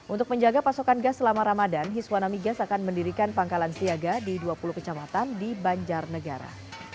untuk menjaga pasokan gas selama ramadan hiswa namigas akan mendirikan pangkalan siaga di dua puluh kecamatan di banjar negara